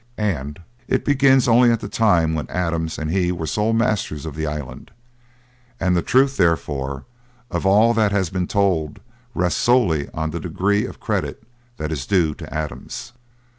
and it begins only at the time when Adams and he were sole masters of the island; and the truth, therefore, of all that has been told rests solely on the degree of credit that is due to Adams.